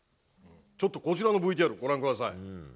ちょっとこちらのＶＴＲご覧ください。